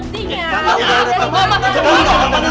kita mau balik ke dalam wadah